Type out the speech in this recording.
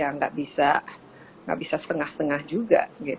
nggak bisa setengah setengah juga